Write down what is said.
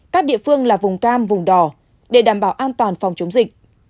các địa phương là vùng cam vùng đỏ để đảm bảo an toàn phòng chống dịch